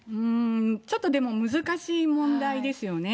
ちょっとでも難しい問題ですよね。